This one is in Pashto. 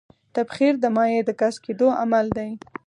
تبخیر د مایع د ګاز کېدو عمل دی.